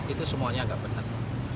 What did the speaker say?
itu semuanya agak benar